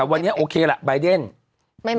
แต่วันนี้โอเคแหละบายเดนไม่มา